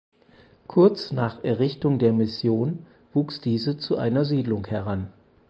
Kurz nach Errichtung der Mission wuchs diese zu einer Siedlung heran.